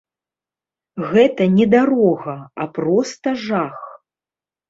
Гэта не дарога, а проста жах.